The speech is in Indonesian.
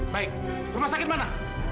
baik rumah sakit mana